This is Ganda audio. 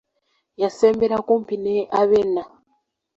Yasembera kumpi ne Abena.